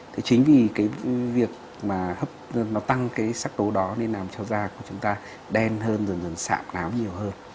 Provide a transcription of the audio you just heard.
thế chính vì cái việc mà nó tăng cái sắc tố đó nên làm cho da của chúng ta đen hơn dần dần sạm nám nhiều hơn